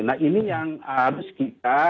nah ini yang harus kita